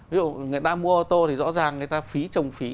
ví dụ người ta mua ô tô thì rõ ràng người ta phí trồng phí